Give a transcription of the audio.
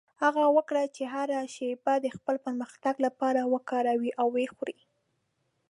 هڅه وکړه چې هره شېبه د خپل پرمختګ لپاره وکاروې او وخورې.